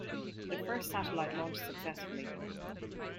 The first satellite launched successfully.